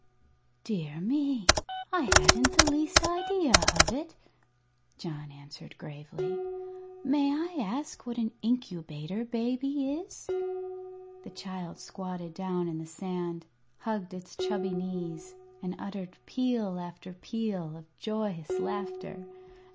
"Dear me, I hadn't the least idea of it," John answered gravely. "May I ask what an Incubator Baby is?" The child squatted down in the sand, hugged its chubby knees, and uttered peal after peal of joyous laughter.